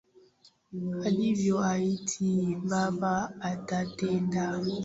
Alivyoahidi baba atatenda.